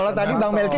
kalau tadi bang melki